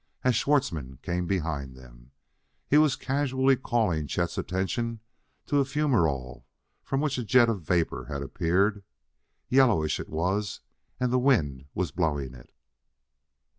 As Schwartzmann came behind them, he was casually calling Chet's attention to a fumerole from which a jet of vapor had appeared. Yellowish, it was; and the wind was blowing it.